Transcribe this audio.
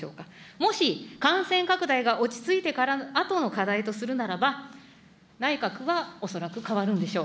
もし感染拡大が落ち着いてからあとの課題とするならば、内閣は恐らく代わるんでしょう。